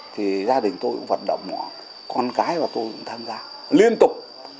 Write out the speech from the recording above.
thì gia đình tôi cũng vận động con gái và tôi cũng tham gia liên tục